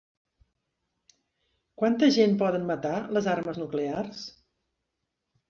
Quanta gent poden matar les armes nuclears?